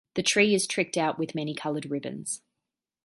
The tree is tricked out with many-colored ribbons.